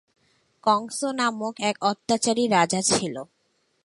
কংস নামক এক অত্যাচারী রাজা ছিল।